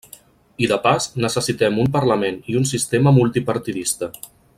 I, de pas, necessitem un parlament i un sistema multipartidista.